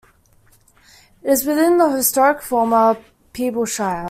It is within the historic former Peeblesshire.